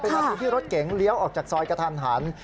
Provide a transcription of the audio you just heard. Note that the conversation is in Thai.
เป็นอุบัติที่รถเก่งเลี้ยวออกจากซอยกระทันหัน